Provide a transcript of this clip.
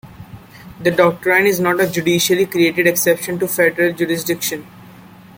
The doctrine is not a judicially created exception to federal jurisdiction.